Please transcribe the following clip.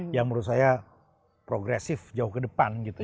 yang menurut saya progresif jauh ke depan gitu